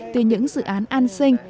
từ những dự án an sinh